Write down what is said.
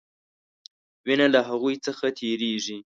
وینه له هغوي څخه تیریږي.